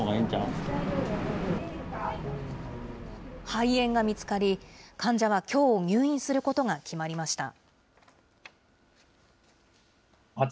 肺炎が見つかり、患者はきょう入院することが決まりました。